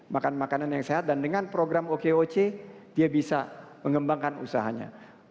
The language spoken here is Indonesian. makan makanan yang sehat dan dengan program okoc dia bisa mengembangkan usahanya